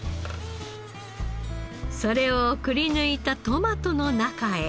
それをくりぬいたトマトの中へ。